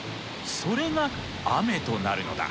それが雨となるのだ。